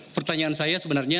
pertanyaan saya sebenarnya